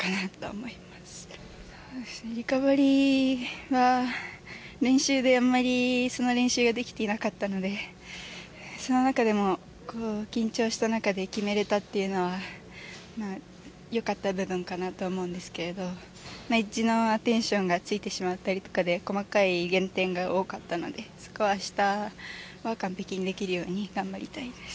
そうですねリカバリーは練習であんまりその練習ができていなかったのでその中でもこう緊張した中で決められたっていうのは良かった部分かなと思うんですけれどエッジのアテンションが付いてしまったりとかで細かい減点が多かったのでそこは明日は完璧にできるように頑張りたいです。